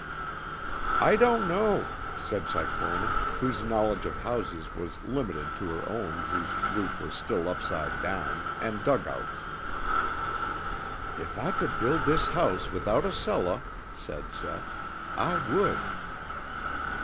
"I don't know," said Cyclona, whose knowledge of houses was limited to her own whose roof was still upside down, and dugouts. "If I could build this house without a cellah," said Seth, "I would."